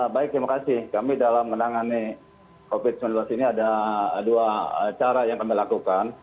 baik terima kasih kami dalam menangani covid sembilan belas ini ada dua cara yang kami lakukan